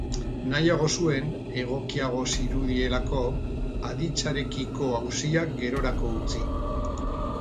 Nahiago nuen, egokiago zirudielako, aditzarekiko auziak gerorako utzi.